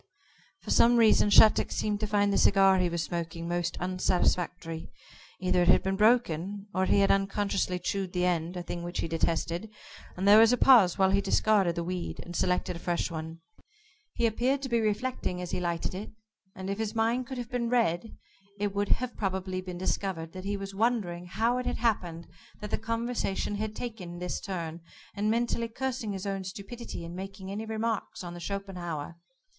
For some reason Shattuck seemed to find the cigar he was smoking most unsatisfactory. Either it had been broken, or he had unconsciously chewed the end a thing which he detested and there was a pause while he discarded the weed, and selected a fresh one. He appeared to be reflecting as he lighted it, and if his mind could have been read, it would have probably been discovered that he was wondering how it had happened that the conversation had taken this turn, and mentally cursing his own stupidity in making any remarks on the Schopenhauer.